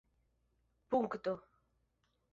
punkto